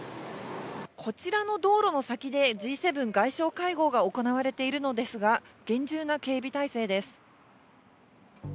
こちらの道路の先でＧ７外相会合が行われているのですが厳重な警備体制です。